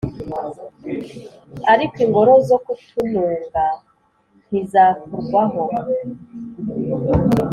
ariko ingoro zo ku tununga ntizakurwaho